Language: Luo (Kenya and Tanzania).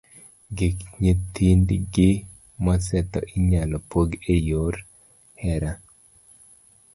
Gik nyithindgi mosetho inyalo pog e yor hera.